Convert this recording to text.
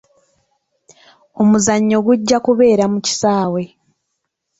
Omuzannyo gujja kubeera mu kisaawe.